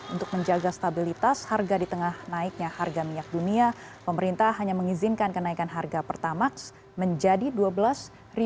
untuk menjaga stabilitas harga di tengah naiknya harga minyak dunia pemerintah hanya mengizinkan kenaikan harga pertamax menjadi rp dua belas lima ratus per liter